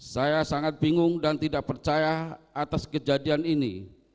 saya sangat bingung dan tidak percaya atas kejadian ini